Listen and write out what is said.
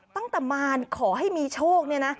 ตั้งแต่มารขอให้มีโชคเนี่ยนะ